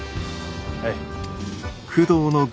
はい。